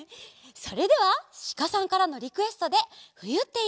それではシカさんからのリクエストで「ふゆっていいな」。